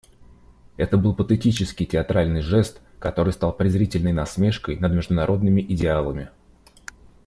Это был патетический, театральный жест, который стал презрительной насмешкой над международными идеалами.